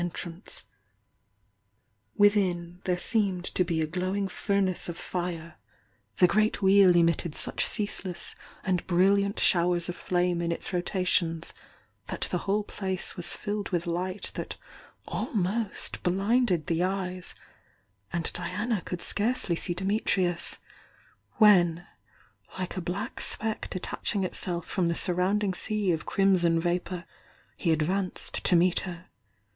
^"*'^'^^^ Within, there seemed to be a glowing furnace of fire; the great 286 THE YOUNG DIANA i m Wheel emitted such ceaseless and brilliant showers of flame in its rotations that the whole place was filled with light that almost blinded the eyes, and Diana could scarcely see Dimitrius, when, like a black specie detaching itself from the surrounding sea of crimson vapour, he advanced to meet her.